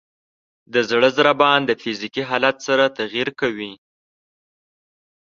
د زړه ضربان د فزیکي حالت سره تغیر کوي.